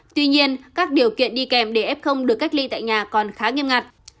tuy nhiên các điều kiện đi kèm để f được cách ly tại nhà còn khá nghiêm ngặt